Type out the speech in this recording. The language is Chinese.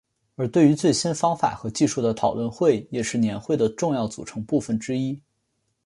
而对于最新方法和技术的讨论会也是年会的重要组成部分之一。